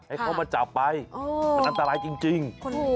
ให้เขามาจับไปมันอันตรายจริง